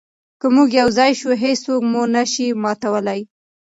که موږ یو ځای شو، هیڅوک مو نه شي ماتولی.